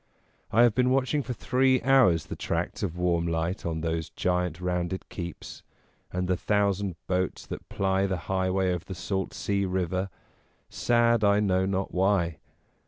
I have been watching for three hours the tracts of warm light on those giant rounded keeps, and the thousand boats that ply the highway of the salt sea river, sad I know not why.